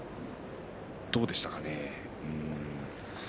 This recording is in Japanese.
どうでしたかね。